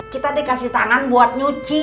kita dikasih tangan buat nyuci